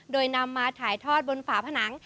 โดยนำมาถ่ายทอดบนฝาผนัง